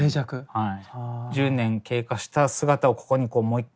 はい。